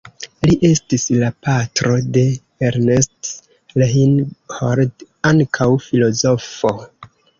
Li estis la patro de Ernst Reinhold, ankaŭ filozofo.